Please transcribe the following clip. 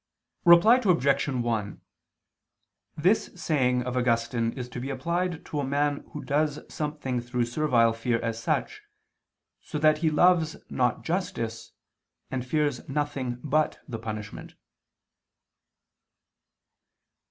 Reply Obj. 1: This saying of Augustine is to be applied to a man who does something through servile fear as such, so that he loves not justice, and fears nothing but the punishment.